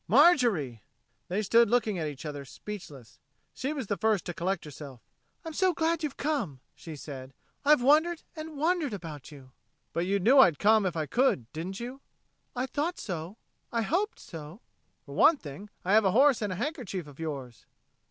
"Marjorie!" They stood looking at each other, speechless. She was the first to collect herself. "I'm so glad you've come," she said. "I've wondered and wondered about you." "But you knew I'd come if I could, didn't you?" "I thought so I hoped so." "For one thing, I have a horse and a handkerchief of yours."